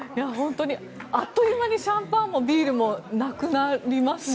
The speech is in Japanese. あっという間にシャンパンもビールもなくなりますね。